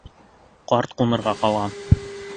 Ҡарт ҡунырға ҡалған.